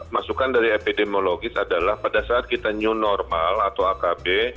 masukan dari epidemiologis adalah pada saat kita new normal atau akb